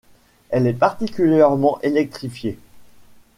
Elle est partiellement électrifiée.